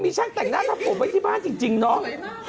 มีช่างแต่งหน้าทำผมไว้ที่บ้านจริงเนาะ